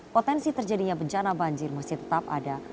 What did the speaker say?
potensi terjadinya bencana banjir masih tetap ada